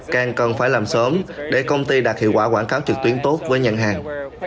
càng cần phải làm sớm để công ty đạt hiệu quả quảng cáo trực tuyến tốt với nhận hàng